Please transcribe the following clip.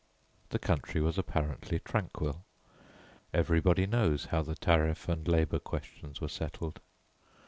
The country was apparently tranquil. Everybody knows how the Tariff and Labour questions were settled.